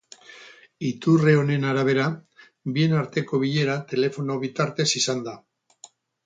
Iturri honen arabera, bien arteko bilera telefono bitartez izan da.